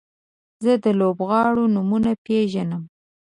زه د لوبغاړو نومونه پیژنم.